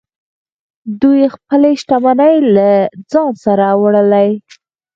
دوی خپلې شتمنۍ له ځان سره وړلې